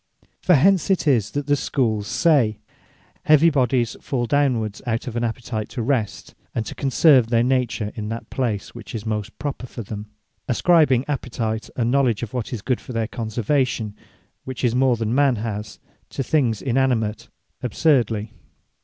From hence it is, that the Schooles say, Heavy bodies fall downwards, out of an appetite to rest, and to conserve their nature in that place which is most proper for them; ascribing appetite, and Knowledge of what is good for their conservation, (which is more than man has) to things inanimate absurdly.